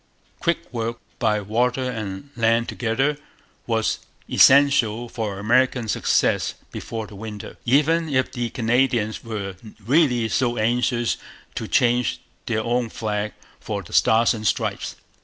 Quick work, by water and land together, was essential for American success before the winter, even if the Canadians were really so anxious to change their own flag for the Stars and Stripes.